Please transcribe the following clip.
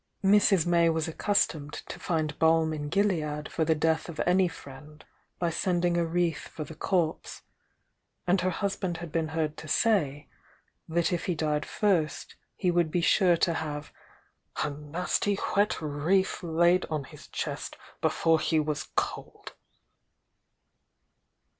Mrs. May was accustomed to find balm in Gilead for the death of any friend by sending a wreath for the corpse, — and her husband had been heard to say that if he died first he would be sure to have "a nasty wet wreath laid on his chest be fore he was cold."